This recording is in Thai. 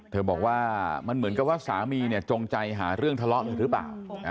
บอกว่ามันเหมือนกับว่าสามีจงใจหาเรื่องทะเลาะเลยหรือเปล่า